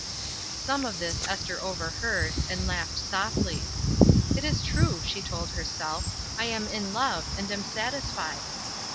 Some of this Esther overheard, and laughed softly. "It is true," she told herself," lam 'in love,' and am satisfied."